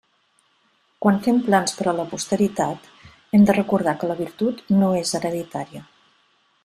Quan fem plans per a la posteritat hem de recordar que la virtut no és hereditària.